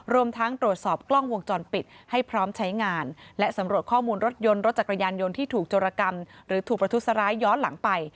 รวมทั้งตรวจสอบกล้องวงจรปิดให้พร้อมใช้งานและสำรวจข้อมูลรถยนต์รถจักรยานยนต์ที่ถูกโจรกรรมหรือถูกประทุษร้ายย้อนหลังไป